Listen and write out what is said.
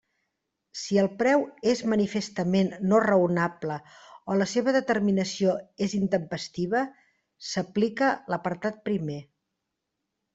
Si el preu és manifestament no raonable o la seva determinació és intempestiva, s'aplica l'apartat primer.